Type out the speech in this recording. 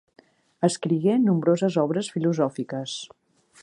Escrigué nombroses obres filosòfiques.